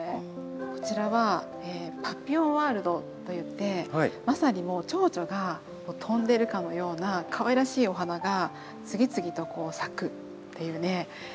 こちらは‘パピヨンワールド’といってまさにもうチョウチョが飛んでるかのようなかわいらしいお花が次々とこう咲くっていうね